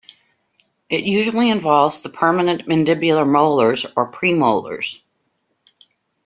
It usually involves the permanent mandibular molars or premolars.